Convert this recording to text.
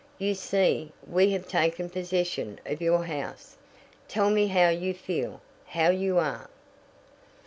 "You see, we have taken possession of your house. Tell me how you feel? How you are?"